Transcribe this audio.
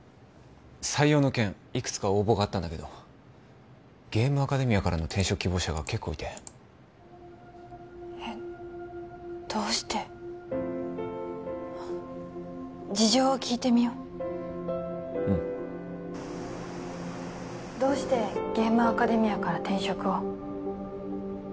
採用の件いくつか応募があったんだけどゲームアカデミアからの転職希望者が結構いてえっどうして事情を聴いてみよううんどうしてゲームアカデミアから転職を？